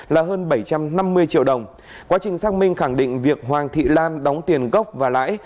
là hơn bảy trăm năm mươi triệu đồng quá trình xác minh khẳng định việc hoàng thị lan đóng tiền gốc và lãi